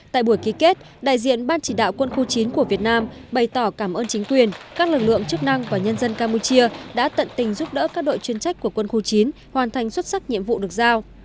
tại buổi ký kết đại diện ban chỉ đạo quân khu chín của việt nam bày tỏ cảm ơn chính quyền các lực lượng chức năng và nhân dân campuchia đã tận tình giúp đỡ các đội chuyên trách của quân khu chín hoàn thành xuất sắc nhiệm vụ được giao